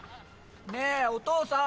ねぇお父さん